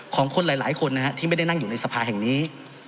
ของคนหลายคนนะฮะที่ไม่ได้นั่งอยู่ในสภาแห่งนี้